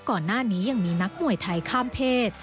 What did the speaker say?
ก่อนหน้านี้ยังมีนักมวยไทยข้ามเพศ